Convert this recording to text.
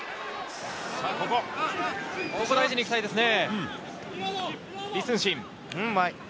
ここ大事に行きたいですね。